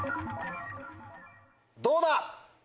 どうだ？